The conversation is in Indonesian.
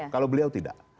kalau beliau tidak